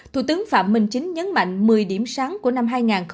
thủ tướng phạm minh chính nhấn mạnh một mươi điểm sáng của năm hai nghìn hai mươi